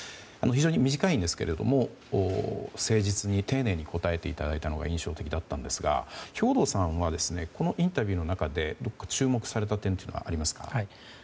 非常に短いんですけれども誠実に丁寧に答えていただいたのが印象的だったんですが兵頭さんはこのインタビューの中で注目された点はありますか？